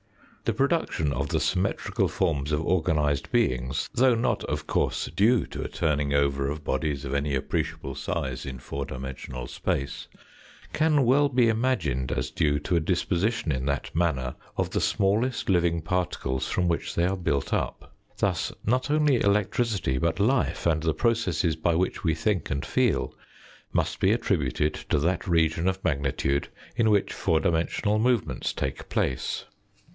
The production of the symmetrical forms of organised beings, though not of course due to a turning over of bodies of any appreciable size in four dimensional space, can well be imagined as due to a disposition in that manner of the smallest living particles from which they are built up. Thus, not only electricity, but life, and the processes by which we think and feel,1must be attributed to that region of magnitude in which four dimensional movements take place.